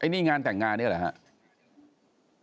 นี่งานแต่งงานนี่แหละครับ